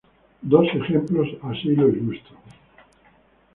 Dos ejemplos así lo ilustran.